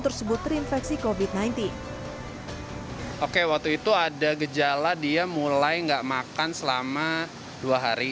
tersebut terinfeksi kovid sembilan belas oke waktu itu ada gejala dia mulai enggak makan selama dua hari